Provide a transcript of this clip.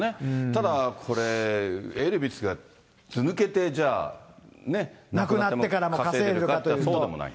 ただこれ、エルビスがずぬけて、じゃあ、亡くなってからも稼いでるかそうでもない。